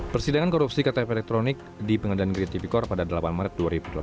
persidangan korupsi ktp elektronik di pengadilan negeri tipikor pada delapan maret dua ribu delapan belas